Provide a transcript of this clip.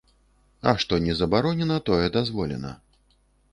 А што не забаронена, тое дазволена.